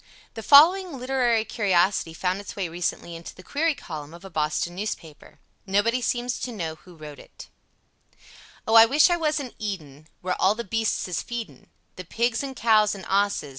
The following literary curiosity found its way recently into the query column of a Boston newspaper. Nobody seems to know who wrote it: O I wish I was in eden Where all the beastes is feedin, the Pigs an cows an osses.